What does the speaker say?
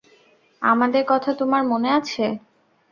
আমাদের কথা তোমার মনে আছে?